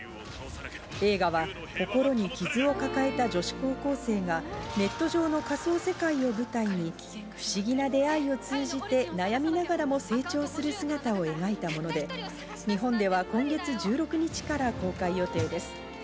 映画は心に傷を抱えた女子高校生がネット上の仮想世界を舞台に、不思議な出会いを通じて、悩みながらも成長する姿を描いたもので、日本では今月１６日から公開予定です。